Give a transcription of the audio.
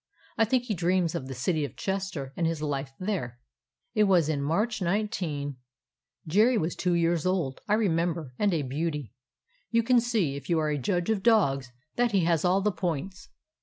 I think he dreams of the City of Chester and his life there. "It was in March, 19 —; Jerry was two years old, I remember, and a beauty. You can see, if you are a judge of dogs, that he has all the points.